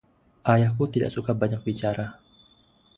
Ayahku tidak suka banyak bicara.